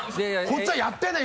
こっちはやってんだよ！